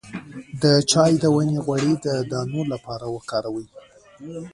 د چای د ونې غوړي د دانو لپاره وکاروئ